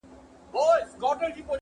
انسان بايد ځان وپېژني تل,